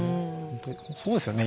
そうですよね。